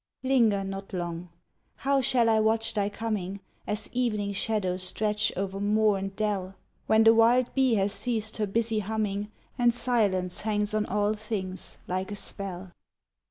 Linger not long. How shall I watch thy coming, As evening shadows stretch o'er moor and dell; When the wild bee hath ceased her busy humming, And silence hangs on all things like a spell!